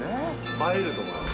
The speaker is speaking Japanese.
映えると思います。